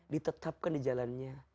ditetapkan di jalannya